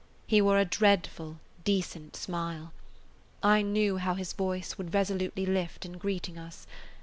He wore a dreadful, decent smile; I knew how his voice would resolutely lift in greeting us.